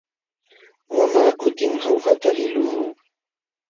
Wamaq kutim Jaujata liqluu.